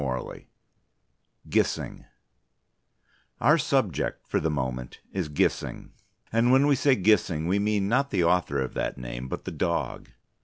GISSING Our subject, for the moment, is Gissing and when we say Gissing we mean not the author of that name, but the dog.